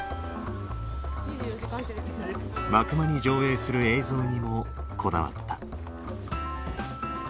幕間に上映する映像にもこだわった。